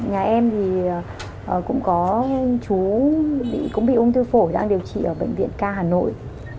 nhà em thì cũng có chú cũng bị ung thư phổi đang điều trị ở bệnh viện ca hà nội